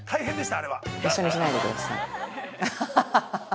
一緒にしないでください。